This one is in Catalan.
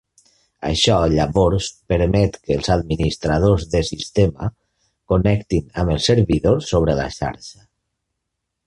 Això llavors permet que els administradors de sistema connectin amb els servidors sobre la xarxa.